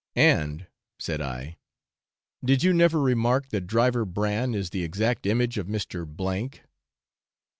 'And,' said I, 'did you never remark that Driver Bran is the exact image of Mr. K